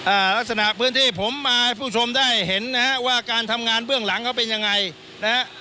อ่าลักษณะพื้นที่ผมมาให้ผู้ชมได้เห็นนะฮะว่าการทำงานเบื้องหลังเขาเป็นยังไงนะฮะ